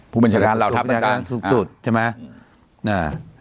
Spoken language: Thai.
ผู้เป็นจัดการเหล่าทัพตังค์ผู้เป็นจัดการสุดสุดใช่ไหมอ่า